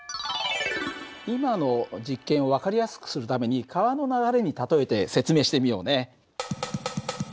今の実験を分かりやすくするために川の流れに例えて説明してみようね。